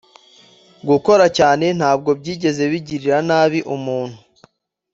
gukora cyane ntabwo byigeze bigirira nabi umuntu